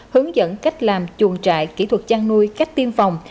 hướng dẫn cách làm chuồng trại kỹ thuật chăn nuôi cách tiêm phòng